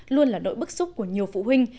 luôn là nỗi bức xúc của nhiều phụ huynh